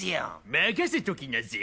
任せときな。